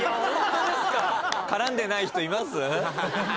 絡んでない人います？